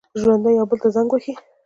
ژوندي یو بل ته زنګ وهي